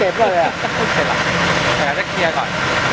โอ้โหชาวนี้ก็เจ็บเลยเออได้เทียร์ก่อน